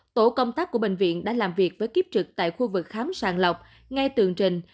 tổ công tác của bệnh viện đã làm việc với kiếp trực tại khu vực khám sàng lọc ngay tường trình